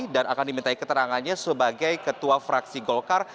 dan akan dimintai keterangannya sebagai ketua fraksi golkar